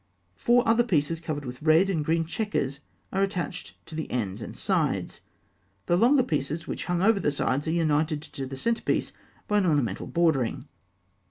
Four other pieces covered with red and green chequers are attached to the ends and sides. The longer pieces which hung over the sides are united to the centre piece by an ornamental bordering.